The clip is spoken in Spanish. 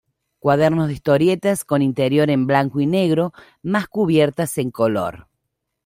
Cuadernos de historietas con interior en blanco y negro más cubiertas en color.